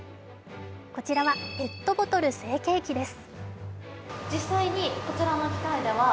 こちらはペットボトル成形機です。